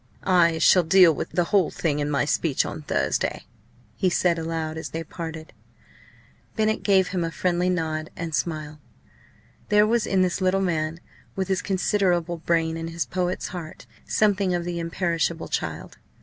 "I shall deal with the whole thing in my speech on Thursday!" he said aloud, as they parted. Bennett gave him a friendly nod and smile. There was in this little man, with his considerable brain and his poet's heart, something of the "imperishable child."